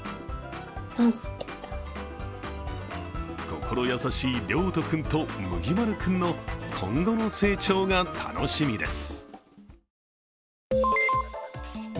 心優しい諒人君とむぎまる君の今後の成長が楽しみです。